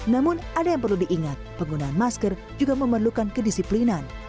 namun ada yang perlu diingat penggunaan masker juga memerlukan kedisiplinan